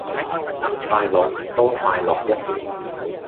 能快樂，多快樂一點。